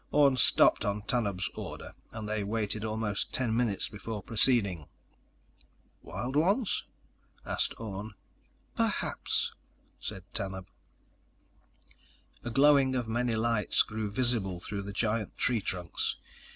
Orne stopped on Tanub's order, and they waited almost ten minutes before proceeding. "Wild ones?" asked Orne. "Perhaps," said Tanub. A glowing of many lights grew visible through the giant tree trunks.